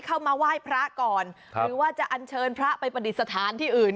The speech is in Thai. เข้ามาไหว้พระก่อนหรือว่าจะอันเชิญพระไปปฏิสถานที่อื่น